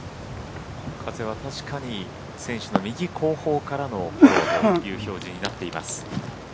風は確かに選手の右後方からのフォローという表示になっています。